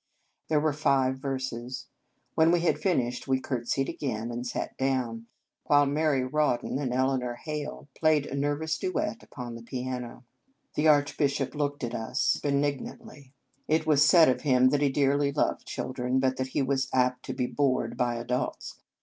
There were five verses. When we had finished, we curtsied again and sat down, while Mary Rawdon and Eleanor Hale played a nervous duet upon the piano. The Archbishop looked at us be 112 Un Conge sans Cloche nignantly. It was said of him that he dearly loved children, but that he was apt to be bored by adults.